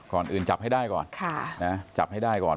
ก่อนอื่นจับให้ได้ก่อนจับให้ได้ก่อน